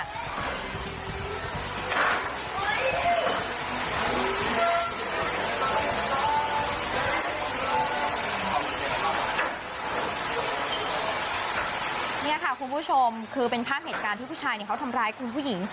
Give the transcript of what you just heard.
นี่ค่ะคุณผู้ชมคือเป็นภาพเหตุการณ์ที่ผู้ชายเขาทำร้ายคุณผู้หญิง